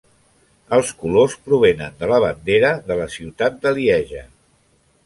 Els colors provenen de la bandera de la ciutat de Lieja.